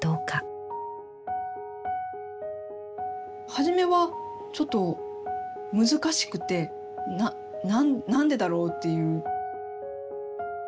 初めはちょっと難しくて何でだろうっていう。